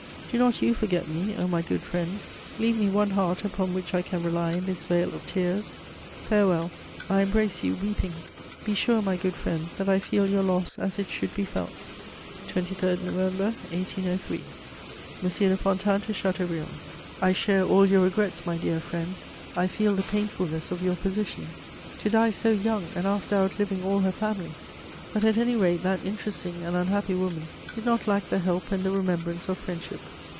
Do not you forget me, O my good friend: leave me one heart upon which I can rely in this vale of tears! Farewell, I embrace you weeping. Be sure, my good friend, that I feel your loss as it should be felt. "23 November 1803." M. DE FONTANES TO CHATEAUBRIAND. "I share all your regrets, my dear friend: I feel the painfulness of your position. To die so young, and after outliving all her family! But, at any rate, that interesting and unhappy woman did not lack the help and the remembrance of friendship.